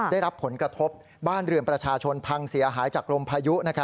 ได้รับผลกระทบบ้านเรือนประชาชนพังเสียหายจากลมพายุ